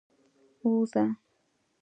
اوزه؟